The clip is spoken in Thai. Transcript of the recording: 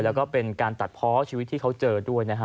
และเป็นการตัดเพาะชีวิตที่เขาเจอด้วย